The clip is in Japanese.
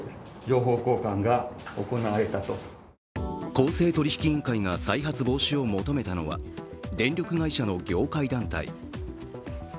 公正取引委員会が再発防止を求めたのは電力会社の業界団体。